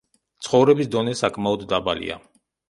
ცხოვრების დონე საკმაოდ დაბალია.